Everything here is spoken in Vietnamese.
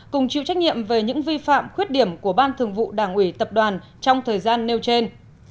cùng chịu trách nhiệm về những vi phạm khuyết điểm của ban thường vụ đảng ủy tập đoàn trong thời gian nêu trên